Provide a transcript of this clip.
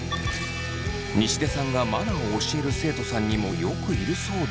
西出さんがマナーを教える生徒さんにもよくいるそうで。